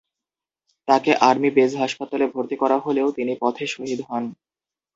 তাকে army base হাসপাতালে ভর্তি করা হলেও তিনি পথে শহীদ হন।